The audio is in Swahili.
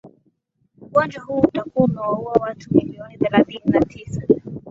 ugonjwa huu utakuwa umeua watu milioni thelathimi na tisa